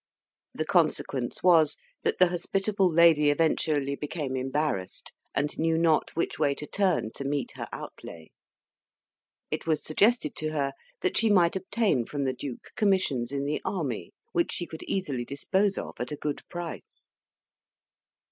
The consequence was that the hospitable lady eventually became embarrassed, and knew not which way to turn to meet her outlay. It was suggested to her that she might obtain from the duke commissions in the army, which she could easily dispose of at a good price.